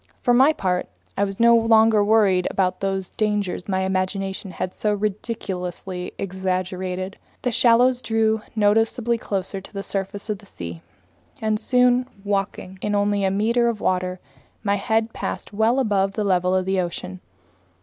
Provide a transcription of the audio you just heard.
For my part, I was no longer worried about those dangers my imagination had so ridiculously exaggerated. The shallows drew noticeably closer to the surface of the sea, and soon, walking in only a meter of water, my head passed well above the level of the ocean.